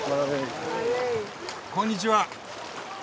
こんにちは。